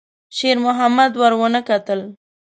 شېرمحمد ور ونه کتل.